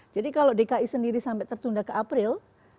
jadi kalau dki sendiri sampai tertunda ke april